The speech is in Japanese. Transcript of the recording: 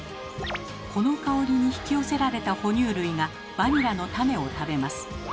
この香りに引き寄せられた哺乳類がバニラの種を食べます。